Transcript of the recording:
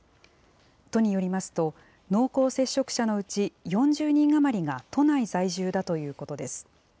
都によりますと、濃厚接触者のうち４０人余りが都内在住だということです。